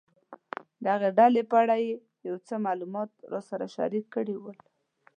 د هغې ډلې په اړه یې یو څه معلومات راسره شریک کړي ول.